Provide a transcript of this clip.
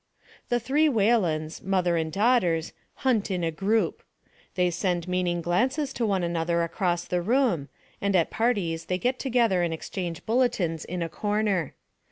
"The three Whalens mother and daughters hunt in a group. They send meaning glances to one an EDNA FERRER 295 other across the room, and at parties they get together and exchange bulletins in a corner.